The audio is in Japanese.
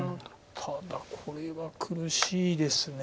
ただこれは苦しいです。